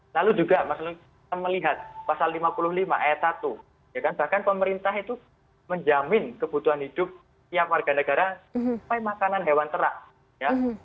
lalu juga kita melihat pasal lima puluh lima ayat satu ya kan bahkan pemerintah itu menjamin kebutuhan hidup tiap warga negara supaya makanan hewan terak ya